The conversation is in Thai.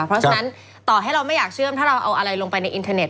เพราะฉะนั้นต่อให้เราไม่อยากเชื่อมถ้าเราเอาอะไรลงไปในอินเทอร์เน็